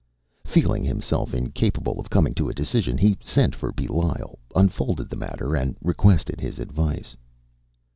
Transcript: Feeling himself incapable of coming to a decision, he sent for Belial, unfolded the matter, and requested his advice.